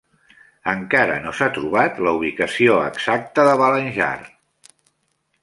Encara no s'ha trobat la ubicació exacta de Balanjar.